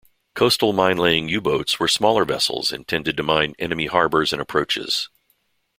Coastal minelaying U-boats were smaller vessels intended to mine enemy harbors and approaches.